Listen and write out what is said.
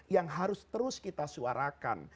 yang harus terus kita suarakan